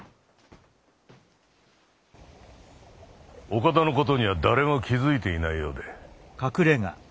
岡田の事には誰も気付いていないようで。